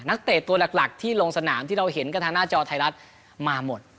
เตะตัวหลักที่ลงสนามที่เราเห็นกันทางหน้าจอไทยรัฐมาหมด